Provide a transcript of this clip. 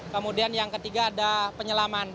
kemudian yang ketiga ada penyelaman